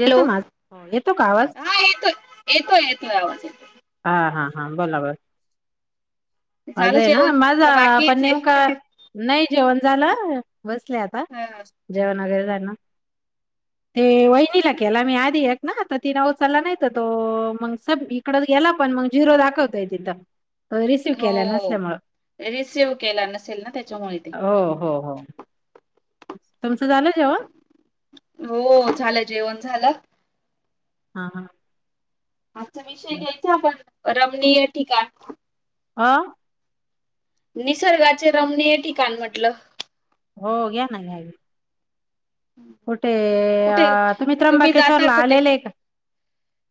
येतो हॅलो माझ येतो का आवाज हा येतोय येतोय येतोय आवाज येतोय हा हा हा बोला बर झालं माझा आहे ना जेवण माझा का पण बाकीच नेमका आहे नाही जेवण झालं बसले आता हा जेवण वगैरे झालं ते वहिनीला केला मी आधी एक ना तर तिने उचलला नाही तर तो मग इकडच गेला पण मग झिरो दाखवतोय तिथं हो रिसिव्ह केल्या हो नसल्यामुळे रिसिव्ह केला नसेल ना त्याच्यामुळे ते हो हो हो तुमचं झालं जेवण हो झालं जेवण झालं हा हा आजचा विषय घ्यायचा आपण रमणीय ठिकाण आा निसर्गाचे रमनिय हे ठिकाण म्हटलं हो घ्या ना कुठे कुठे तुम्ही त्र्यंबकेश्वर जाता ला कुठे आलेले आहे का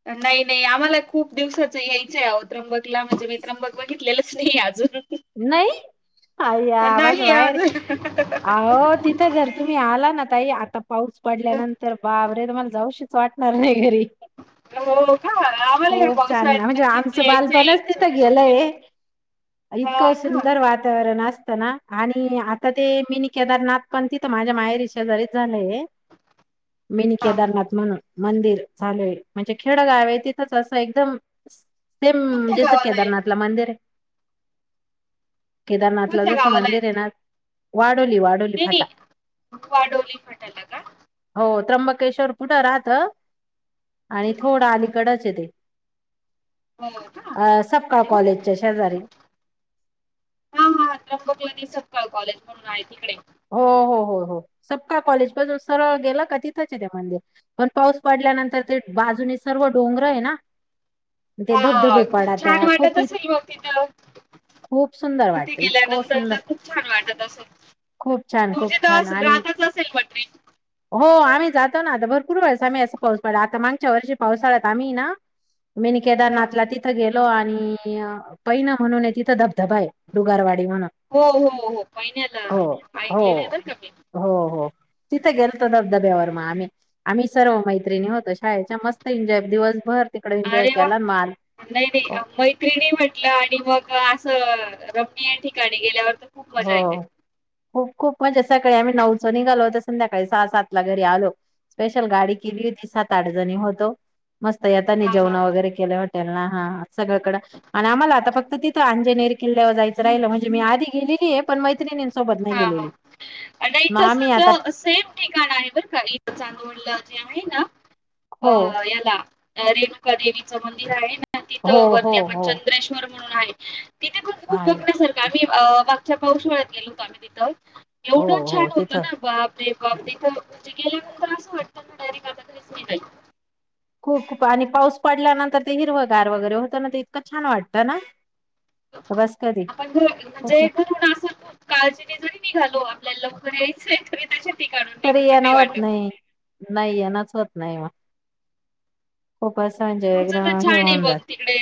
नाही नाही आम्हाला खूप दिवसात यायचंय अहो त्रंबकला म्हणजे मी त्र्यंबक बघितलेलंच नाही अजून नाही अय्या आवाज नाही बाहेर अजून अहो तिथं जर तुम्ही आला ना ताई आता पाऊस पडल्यानंतर बाब रे मला जाऊशीच वाटणार नाही घरी हो का आम्हाला या खूप छान ना, पावसाळ्यात म्हणजे नक्कीच आमचं यायचंय बालपणच एक तिथं छोटीशी ट्रिप गेलंय. इतकं सुंदर वातावरण असतं ना आणि आता ते मिनी केदारनाथ पण तिथं माझ्या माहेरी शेजारीच झालंय मिनी हा केदारनाथ म्हणून मंदिर झालय म्हणजे खेडगाव आहे तिथंच असं एकदम सेम कोणत्या जसं गावाला आहे केदारनाथ ला मंदिर आहे केदारनाथ ला कोणत्या जस गावाला मंदिर ते आहे ना वा वाडोली फट्याला का हो त्र्यंबकेश्वर पुढे राहत आणि हम्म, थोडं हम्म. अलीकडच आहे ते हो का अ सबका अरे वा कॉलेजच्या शेजारी हा हा त्र्यंबकला दि सकाळ कॉलेज म्हणून आहे तिकडे हो हो हो हो सबका कॉलेज पासून सरळ गेलं का तिथंच ते मंदिर पण पाऊस पडला पडल्यानंतर ते बाजूने सर्व डोंगर आहे ना ते हा धबधबे खूप छान पडत्या वाटत खूप इत असेल मग तिथ खूप सुंदर तिथे वाटतं इतकं गेल्यानंतर सुंदर तर खूप छान वाटत असं खूप छान खूप तुमची छान तर आणि राहतच असेल मटे हो आम्ही जातो ना आता भरपूर पास आम्ही असं पाऊस पडला आता मागच्या वर्षी पावसाळ्यात आम्ही ना मीनी हा. केदारनाथला तिथं गेलो आणि पैन म्हणून तिथं धब धबधबा आहे डुगारवाडी म्हणून हो हो हो पहि नाही हो आता ऐकलेले हो आता हो हो तिथे गेलतो धबधब्यावरती आम्ही आम्ही सर्व मैत्रिणी होतो शाळेच्या मस्त एन्जॉय दिवसभर तिकडे एन्जॉय अरे वा केला माल नाही नाही हो मैत्रिणी म्हटलं आणि मग असं रमणीय ठिकाणी गेल्यावर तर खूप मजा येते हो खूप खूप मजे सकाळी आम्ही नवचणी घालवत संध्याकाळी सहा सात ला घरी आलो स्पेशल गाडी केली होती सात आठ जणी होतो मस्त यातानी हा हा जेवण हा वगैरे केलं हॉटेल ना हा सगळकडं आणि आम्हाला आता फक्त तिथं नेर किल्यावर जायचं राहिलं म्हणजे आधी गेलेली आहे पण मैत्रिणींसोबत नाही हा गेलेली हा मग आम्ही तसच आता सेम ठिकाण आहे बरं का इ चांदवळलं आहे ना हो अ याला रेणुका देवीचं मंदिर आहे ना हो तिथं हो वरती आपण चंद्रेश्वर म्हणून आहे तिथे पण हा खूप बघण्यासारखं मागच्या पाऊसाळ्यात गेलो होत आम्ही तिथ हो एवढं छान हो होत तिथं ना अे बा तथजे गेला असं वाटतं ना डायरेक्ट आताच मी नाही खूप आणि पाऊस पडल्यानंतर ते हिरवगार वगैरे होतं ना ते इतकं छान वाटतं ना बस कधी आपण घ म्हणजे खूप घरून असेल खूप काळजी त ज निघालो आपल्याला लवकर यायचं तरी येना होत नाही नाही येनाच होत नाही मग खूप असं म्हणजे पुढच तर एकदम छान हे आहे होऊन बघ जात तिकडे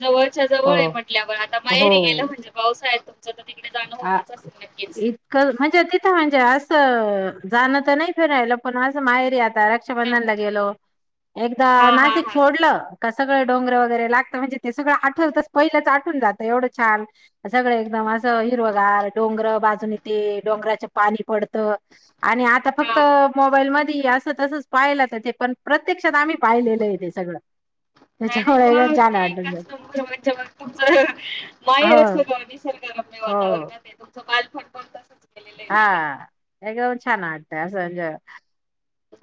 जवळच्या जवळ हो आहे म्हटल्यावर आता माहेरी गेलं म्हणजे पावसा येतो ह इतकं म्हणजे तिथं म्हणजे असं जाणं तर नाही फिरायला पण असं माहेर हा रक्षाबंधनला गेलो एकदा हा हा नाशिक हा सोडलं सगळं डोंगर वगैरे लागतं म्हणजे ते सगळं आठवतच पहिलंच आठून जातं एवढं छान सगळं एकदम माझं हिरव गार डोंगर बाजून येते डोंगराच पाणी पडत आणि आता फक्त हा. मोबाईल म असं तसंच पाहाला तर ते पण प्रत्यक्षात आम्ही राहिलेलं आहेेते सगळं अरे त्याच्यामुळे वा एकदम छान वाटत एकाच नंबर म्हणच्या म तुमच माहेर असेल निसर्गरम्य वा हा सवाल फड पण तस हा एकदम छान वाटतंय असं म्हणजे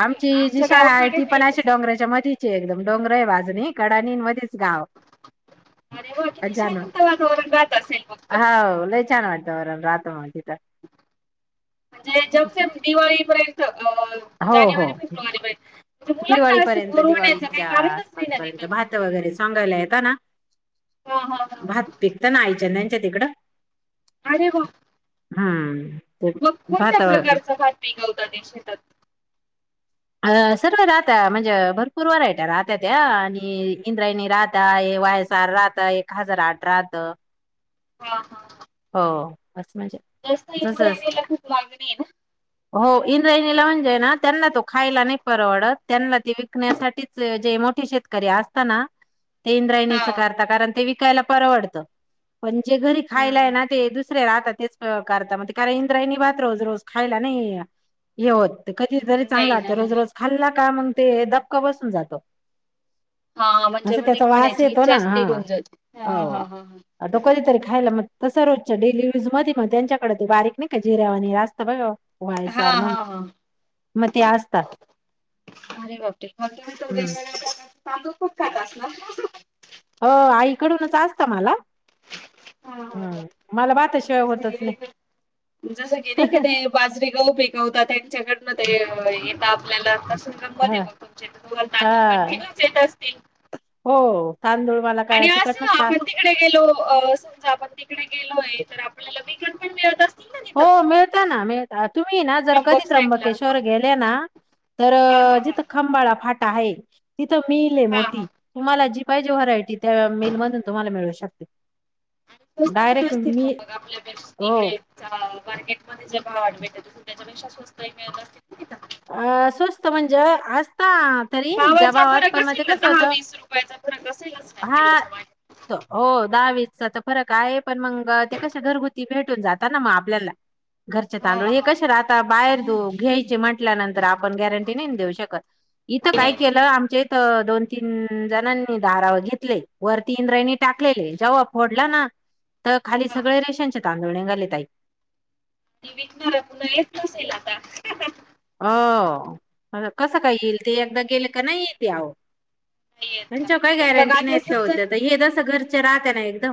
आमची जी आमच्या शाळा आहे गावाकडे ती नाही पण अशी तसं डोंगराच्या मधीची एकदम डोंगर आहे बाजूनी कडानी मध गाव अरे वा किती शांत वातावरण राहत असेल मग तर. हा लय छान आहे वातावरण म्हणजे जग ते दिवाळीपर्यंत अं हो हो जानेवारी फेब्रुवारी प दिवाळीपर्यंत दिवाळीच्या कारणच नाही ना आसपासपर्यंत तिथं. भात वगैरे सांगायला येत ना हा हा हा. भात हा. पिकता ना आईच्यांद्यांच्या तिकडं अरे बाप हम्म. ते मग कोणत्या भात अ प्रकारचा भात पिकावता ते शेतात? अ सर्व राहत. म्हणजे भरपूर वरायट राहत त्या. आणि इंद्रायणी राहत आहे. ते वाय एस आर राहता एक हजार आठ राहत. हा हा. हो म्हणजे जास्त जस इंद्रायणीला खूप मागणी आहे ना. हो इ लावून जाे ना त्यांना तो खायला नाही परवडत. त्यांना ती विकण्यासाठीच जे मोठी शेतकरी ते अस्तं नं? ते इंद्रायणीच हा. करता. कारण ते विकायला परवडतं पण जे घरी खायला हम्म. ना ते दुसरे राहता तेच करता. कारण इंद्रायणी बात रोज रोज खायला नाही हे होत. ते कधी तरी चांगला नाही ना वाटतो, रोज नाही. रोज खाल्ला का मग ते धबका बसून जातो. हा म्हणजे असं मग ते त्याचा वास खाण्याची येतो इच्छा ना च हा निघुन जाती. हो. तो कधीतरी खायला मग तसं रोजच्या डेली यूज मध्ये, पग त्यांच्याकडे ते बारीक नाही का जिरा्यावा आणि रास्त बघा. वय हा सार हा हा. म्हणून म ते असतात. अरे बाप रे. हम्म. [unintelligible] खूप खात असणार. हो आईकडूनच असत मला. हा हा हा. हम्म. मला भातशिवाय होतच नाही. जस की नाही का ते? बाजरी गाव पी गवता त्यांच्याकडनं ते येत आपल्याला तस मध्ये हा. मग तुमच्यातल पण हा कंटिन्यूच येत असतील? हो तांदूळ मला काय आणि अस तिकडनच राहत आपण तिकडे गेलो. समजा आपण तिकडे गेलोय, तर आपल्याला मन पण मळत अस हो मिळता ना. मिळता तुम्ही ना जर त्र्यंबक कधी साईडला हा त्र्यंबकेश्वर गेले ना? तर हा हा जिथं खंबाळा फाटा आहे. तिथं मिल ये हा हा मोठी तुम्हाला जी पाहिजे व्हरायटी त्या मिलमधून तुम्हाला मिळू शकते. कस पण डायरेक्ट असतील मी म आपल्यापे हो इकडे चां मार्केट मध्ये जे भाव आठ भेट त्याच्यापेक्षा स्वस्त एक असतील नाई का? अ स्वस्त म्हणजे, असता. तरी भावाचा जबावात फरक पण म ते असेल ना कस होत दहा वीस रुपयाचा फरक असेलच ना हा. किलोच्या मागे हो दहावीसचा तर फरक आहे. पण मग ते कस घरगुती भेटून जाता ना मग आपल्याला. घरचे हा तांदूळ हे हा कसे राता, आता बाहेर द घ्यायचे म्हण ल्या नंतर आपण गॅरंटी, नाही ना देऊ शकत इथं नाही काय नाही नाही केलं आमच्या दोन तीन जणांनी दारा वर घेतले. वर तीन रहिणी टाकलेले जव्हा फोडला ना तर खाली हा. सगळे रेशनचे तांदूळ निघाले ताई. विकणार पुन्हा येत नसेल आता? आ. हो कसं काय येईल? ते एकदा गेले का नाही ये ति आओ नाही येत ना त्यांच्या काही पण मग गॅरंटी आता नाही, समजा शेवत्या तर हे जसं घरचे राहत ना एकदम.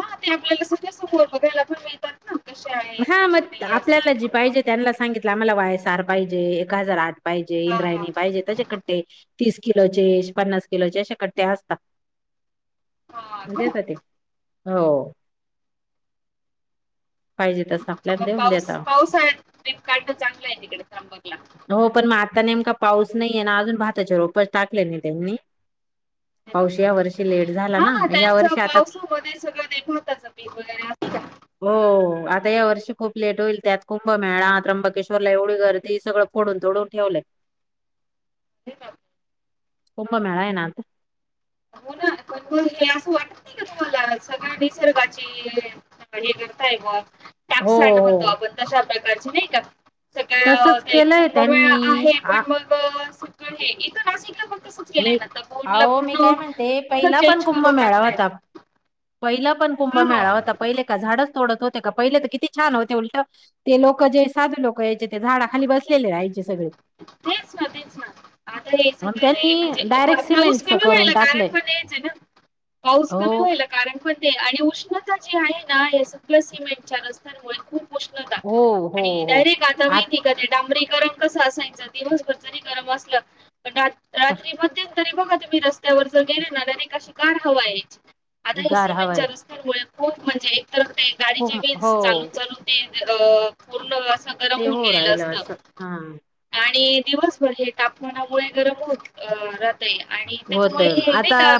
हा ते आपल्याला सध्या समोर बघायला पण मिळतात ना? कसे आहेत हा कसे मग, नाही असं आपल्याला जी पाहिजे त्यांना सांगितलं आम्हाला वायस आर पाहिजे एक हजार आठ पाहिजे हा हा इंद्रायणी पाहिजे तशे कट्टे तीस किलोचे. पन्नास किलोचे, असे कट्टे असता हा का तेत म्हणजे ते हो. पाहिजे तसं ते आपल्याला मग देऊन पाऊस देता. पावसाळ्यात पिक काढणं चांगलं आहे, तिकडे त्रंबकला. हो पण मग आता नेमका पाऊस नाहीये ना. अजून भाताचे रोप टाकले नाही त्यांनी. पाऊस या वर्षी लेट झाला ना हा या त्यांच वर्षी आता पावसामध्ये सगळं दे भाताच पीक वगैरे हो आता या वर्षी खूप लेट होईल. त्यात कुंभमेळा त्र्यंबेश्वरला एवढ घ करते सगळ पोडून तोडून ठेवलय. हो का [unintelligible] खूप मेळाय [unintelligible] ना आता हो ना [unintelligible] पण बोल असं वाटत नाही का तुम्हाला सगळ्या निसर्गाची हे करताय ग हो टॅक्सड म्हणतो हो आपण तशा प्रकारची नाही का सगळ तसच ते केलंय कुंभमेळा त्यांनी आहे आ पण मग सगळ हे इथं नाशिकला प तसच केलंय मी ना आता फोन अहो मी पूर्ण काय म्हणते पूर्ण पहिला पण चेंज करून कुंभमेळा टाकलाय होता. पहिला पण कुंभ मेळावाता पहिले का झाडच तोडत होते का पहिले तर किती छान होते उलट ते लोक जे साधू लोक यायचे ते झाडा खाली बसलेले सगळे तेच ना तेच ना आता हे आणि सगळं नाही म्हणजे त्यांनी डायरेक्ट पाऊस सिमेंटच कमी करून व्हायला कारण टाकलंय खण यायच ना पाऊस हो कमी व्हायला कारणण आणि उष्णता जी आहे ना या सगळ्या सिमेंटच्या रस्त्यांमुळे खूप उष्णता हो हो आणि हो डायरेक्ट आता माहिती का तेडांबरी रम [unintelligible] कस असायच दिवसभर जरी गरम असलं पण रात्री मग ते तरी बघा तुम्ही रस्त्यावर जर गेले ना अने अशी गार हवा यायची आता हे गार सिमेंटच्या हवाय रस्त्यांमुळे खूप म्हणजे एकतर ते हो गाडीचे व्हील हो चालून चालून ते पूर्ण गरम ते होऊन हो गेलेलं राहिलं असं असत हा आणि दिवसभर हे तापमानामुळे गरम होत अ आणि होतय त्याच्यामुळे ते आता का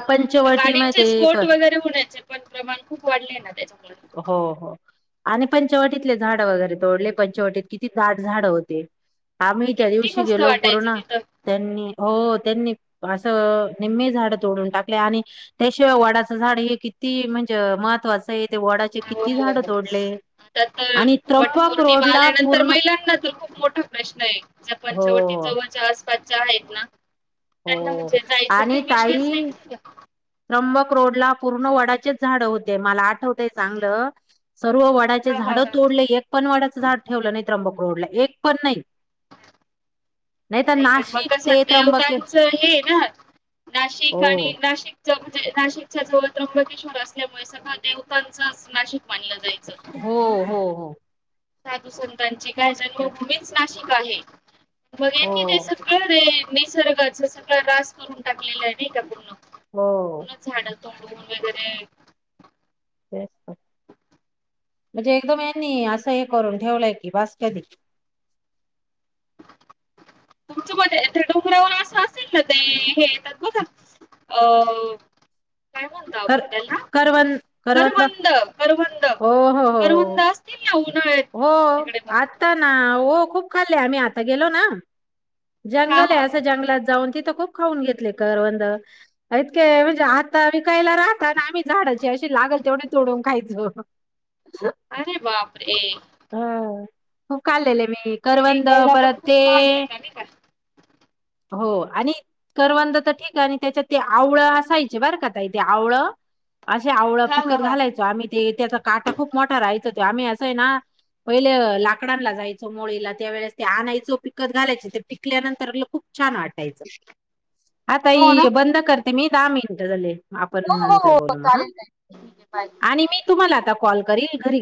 गाडींचे पंचवटीमध्ये पण स्फोट वगैरे होण्याचे पण प्रमाण खूप वाढले ना त्याच्या हो हो आणि पणेवट [unintelligible] तिथलं झाड वगैरे तोडले पंचवटीत किती धाट झाड होती आम्ही त्या किती दिवशी मस्त गेलो वाटायचं करोना तिथं त्यांनी हो त्यांनी असं निममी झाड तोडून टाकले आणि त्याशिवाय वाडाचं झाड हे किती म्हणे म्हणजे [unintelligible] महत्वाचं आहे ते वडाचे हो किती झाड तोडले आता तर आणि त्र्यंबक वटपौर्णिमा रोडला आल्यानंतर पूर्ण महिलांना तर खूप मोठा प्रश्न आहे ज हो पंच्यवटीत जवळच्या आसपासच्या आहेत ना त्यांना हो म्हणजे जायच आणि काही विषयच नाही ताई का [unintelligible] त्र्यंबक रोड ला पूर्ण वडाचेच झाड होते मला आठव चांगलं सर्व वडाचे हा हा झाड हा हा. तोडले एक पण वडाच झाड ठेवलं नाही त्र्यंबक रोडला एक पण नाही तर नाही [unintelligible] पण मग नाशिक कसं ते वाटत त्र्यंबकेश येवदांचं [unintelligible] हे ना नाशिक आणि हो. नाशिक म्हणजे नाशिकच्या जवळ त्र्यंबकेश्वर असल्यामुळे सगळ देवतांचच नाशिक मानलं जायचं. हो हो हो साधू संतांची काय जन्मभूमीच नाशिक आहे मग आहे हो की ते सगळं र निसर्गाचं सगळं रास करून टाकलेला आहे ना एका पूर्ण हो तड [unintelligible] वगैरे तेच तर. म्हणजे एकदम यांनी असं हे करून ठेवलंय की बास कधी तुमचं म डोंगरावर असं असेल ना ते हे येतात बघा अ काय म्हणतो कर आपण त्याला करवन करवंद ओ हो करवंद हो असतील ना उन्हाळ्यात हो तिकडे मग आत्ता ना हो खूप खालयं आम्ही आता गेलो ना हा जंगल हा आहे अस हा जंगलात जाऊन तिथ खूप खाऊन घेतले करवंदतके [unintelligible] म्हणजे आता यला [unintelligible] रराहतात आणि आम्ही झाडाचे अशी लागल तेवढे तोडून खायचो अरे बापरे हा. खूप खाल्लेले मी ते करवंद विकायला पण परत ते खूप महाग मिळतात नाही का? हो आणि करवंद तर ठीक आहे आणि त्याच्यात ते आवळं असायचे बर का ताई ते आवळ असे आवळं हा हा पिकत हा घालायचो आम्ही ते त्याचा काटा खूप मोठा राहायचो तो आम्ही असं आहे ना पहिले लाकडांला जायचो मोळीला त्यावेेळेस ते आणायचो पिकत घालायचो ते पिकल्यानंतर खूप छान वाटायचं आता हो ना? बंद करते मी दहा मिनिटं झाले आपण हो हो नंतर हो बोलू मग ह चालेल ताई ठीक आहे बाय. आणि मी तुम्हाला आता कॉल करीन घरी